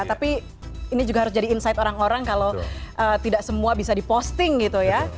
tapi ini juga harus jadi insight orang orang kalau tidak semua bisa diposting gitu ya